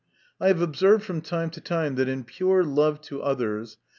I have observed from time to time, that in pure love to others (i.